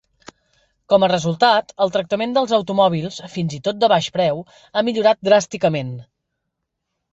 Com a resultat, el tractament dels automòbils fins i tot de baix preu ha millorat dràsticament.